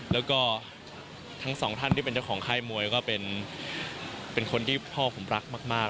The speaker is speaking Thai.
แล้วก็ทั้งสองท่านที่เป็นเจ้าของค่ายมวยก็เป็นคนที่พ่อผมรักมาก